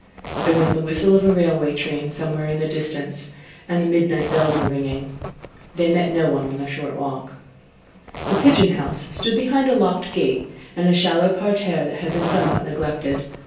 There was the whistle of a railway train somewhere in the distance, and the midnight bells were ringing. They met no one in their short walk. The "pigeon house" stood behind a locked gate, and a shallow parterre that had been somewhat neglected.